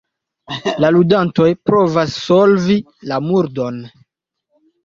La ludantoj provas solvi la murdon.